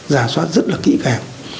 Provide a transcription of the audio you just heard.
giả soát rất là kỹ càng